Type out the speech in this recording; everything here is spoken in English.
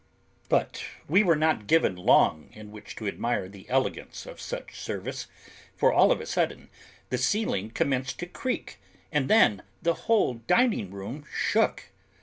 But we were not given long in which to admire the elegance of such service, for all of a sudden the ceiling commenced to creak and then the whole dining room shook.